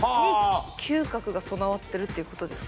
嗅覚が備わってるっていうことですか？